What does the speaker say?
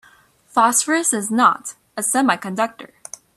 Phosphorus is not a semiconductor.